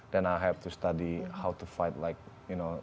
dan saya harus belajar bagaimana untuk berjuang